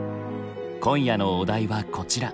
今夜のお題はこちら。